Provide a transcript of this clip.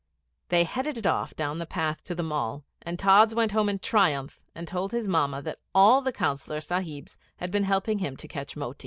They headed it off down the path to the Mall, and Tods went home in triumph and told his Mamma that all the Councillor Sahibs had been helping him to catch Moti.